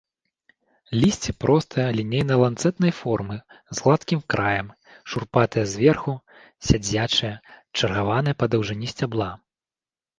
Лісце простае, лінейна-ланцэтнай формы, з гладкім краем, шурпатае зверху, сядзячае, чаргаванае па даўжыні сцябла.